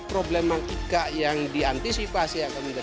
problematika yang diantisipasi